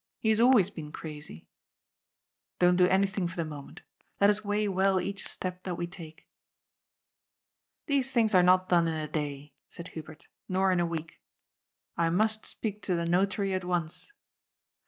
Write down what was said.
He has always been crazy. Don't do any thing for the moment. Let us weigh well each step that we take." " These things are not done in a day," said Hubert, " nor in a week. I must speak to the Notary at once."